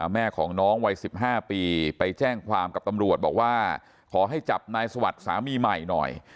แม่ของน้องวัย๑๕ปีไปแจ้งความกับตำรวจบอกว่าขอให้จับนายสวัสดิ์สามีใหม่หน่อย